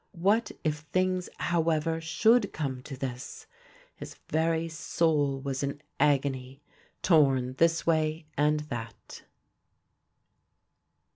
What if things, however, should come to this! His very soul was in agony torn this way and that.